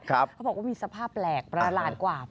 เขาบอกว่ามีสภาพแปลกประหลาดกว่า